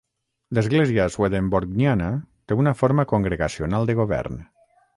L'església swedenborgniana té una forma congregacional de govern.